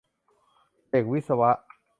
เด็กวิศวะ